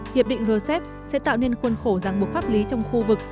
hiệp định rcep sẽ tạo nên khuôn khổ ràng buộc pháp lý trong khu vực